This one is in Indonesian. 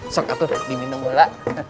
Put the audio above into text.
sok atuh diminum mula